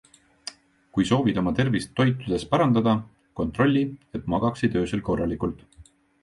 Kui soovid oma tervist toitudes parandada, kontrolli, et magaksid öösel korralikult.